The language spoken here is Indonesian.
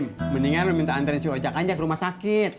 im mendingan lu minta antrein si wajah kanjak ke rumah sakit